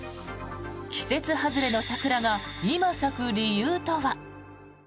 季節外れの桜が今咲く理由とは。